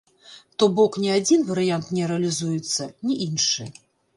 То бок ні адзін варыянт не рэалізуецца, ні іншы.